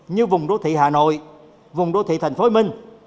như vùng đô thị hà nội vùng đô thị thành phố hồ chí minh